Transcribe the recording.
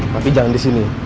tapi jangan di sini